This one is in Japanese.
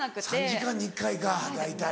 ３時間に１回か大体。